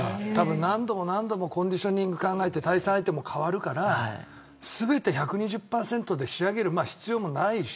何度もコンディショニングを考えて対戦相手も変わるから全て１２０％で仕上げる必要もないし。